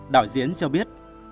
đạo diễn cho biết